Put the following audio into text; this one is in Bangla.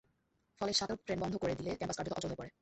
ফলে শাটল ট্রেন বন্ধ করে দিলে ক্যাম্পাস কার্যত অচল হয়ে পড়ে।